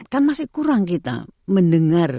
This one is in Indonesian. kan masih kurang kita mendengar